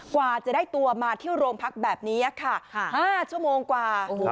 กว่าจะได้ตัวมาที่โรงพักแบบนี้ค่ะ๕ชั่วโมงกว่า